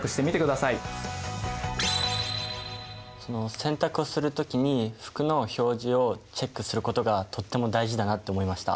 洗濯をする時に服の表示をチェックすることがとっても大事だなって思いました。